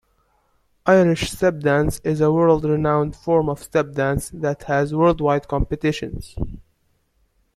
Irish stepdance is a world-renowned form of step dance that has worldwide competitions.